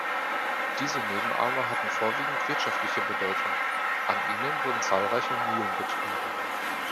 Diese Nebenarme hatten vorwiegend wirtschaftliche Bedeutung, an ihnen wurden zahlreiche Mühlen betrieben.